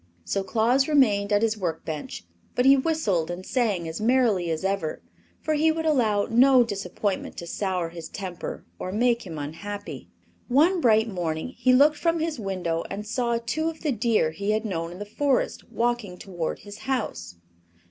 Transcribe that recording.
So Claus remained at his work bench; but he whistled and sang as merrily as ever, for he would allow no disappointment to sour his temper or make him unhappy. One bright morning he looked from his window and saw two of the deer he had known in the Forest walking toward his house.